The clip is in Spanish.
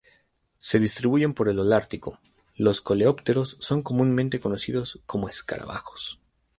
Se distribuyen por el holártico. Los coleópteros son comúnmente conocidos como escarabajos.